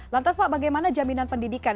lantas pak bagaimana jaminan pendidikan